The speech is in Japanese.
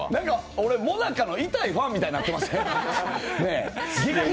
僕、もなかのイタいファンみたいになってません？